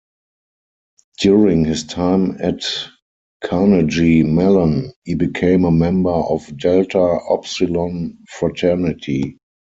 During his time at Carnegie Mellon, he became a member of Delta Upsilon fraternity.